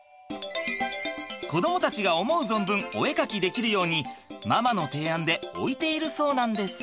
子どもたちが思う存分お絵描きできるようにママの提案で置いているそうなんです。